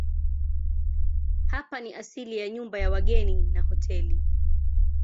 Hapa ni asili ya nyumba ya wageni na hoteli.